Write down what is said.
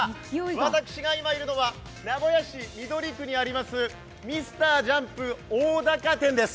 私が今いるのは名古屋市緑区にありますＭｒ．ＪＵＭＰ大高店です。